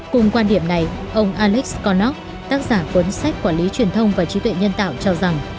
cùng quan điểm này ông alex connov tác giả cuốn sách quản lý truyền thông và trí tuệ nhân tạo cho rằng